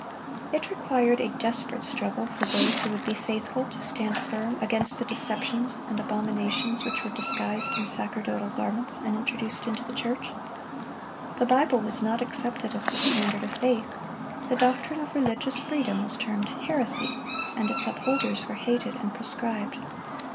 It required a desperate struggle for those who would be faithful to stand firm against the deceptions and abominations which were disguised in sacerdotal garments and introduced into the church. The Bible was not accepted as the standard of faith. The doctrine of religious freedom was termed heresy, and its upholders were hated and proscribed.